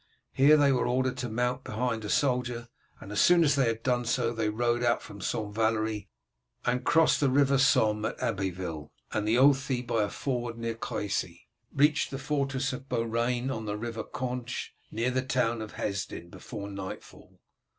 Here they were ordered to mount each behind a soldier, and as soon as they had done so they rode out from St. Valery, and crossing the river Somme at Abbeville, and the Authie by a ford near Crecy, reached the fortress of Beaurain on the river Canche near the town of Hesdin before nightfall.